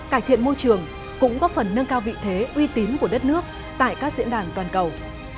cải thiện môi trường cũng góp phần nâng cao vị thế uy tín của đất nước tại các diễn đàn toàn cầu